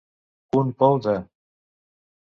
Un pou de.